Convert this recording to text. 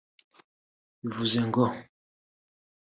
Bivuze ngo